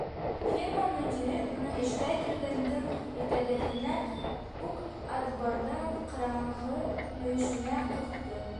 Ферма мөдире уны эшкә килгәндең иртәгәһенә үк аҙбарҙың ҡараңғы мөйөшөнә ҡыҫты.